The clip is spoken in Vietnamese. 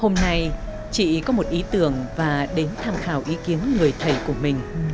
hôm nay chị có một ý tưởng và đến tham khảo ý kiến người thầy của mình